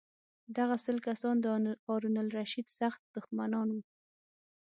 دغه سل کسان د هارون الرشید سخت دښمنان وو.